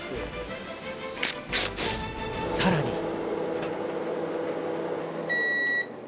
さらに。